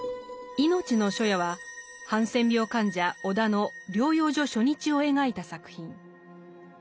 「いのちの初夜」はハンセン病患者尾田の療養所初日を描いた作品。